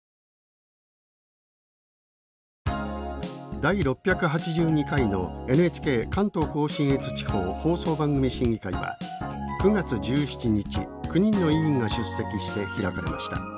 第６８２回のＮＨＫ関東甲信越地方放送番組審議会は９月１７日９人の委員が出席して開かれました。